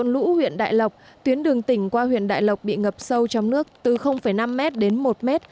lũ huyện đại lộc tuyến đường tỉnh qua huyện đại lộc bị ngập sâu trong nước từ năm m đến một m